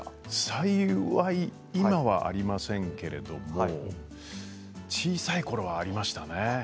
幸い今はありませんけど小さいころは、ありましたね。